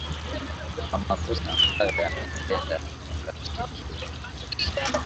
kwa makosa ambayo ameyatenda wakati akiwa kiongozi